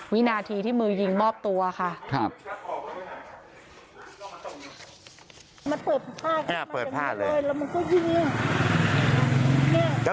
วินาทีที่มือยิงมอบตัวค่ะ